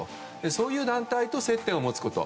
そういう団体と接点を持つこと。